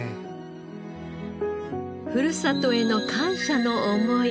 ふるさとへの感謝の思い。